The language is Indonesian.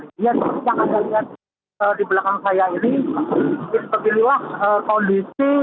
seperti yang anda lihat di belakang saya ini